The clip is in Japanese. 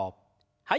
はい。